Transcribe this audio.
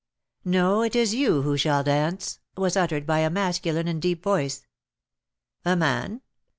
"No, it is you who shall dance!" was uttered by a masculine and deep voice. "A man!